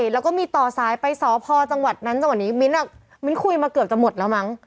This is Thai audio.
แล้วก็มีต่อสายไปสพจังหวัดนั้นจังหวัดนี้มิ้นมิ้นคุยมาเกือบจะหมดแล้วมั้ง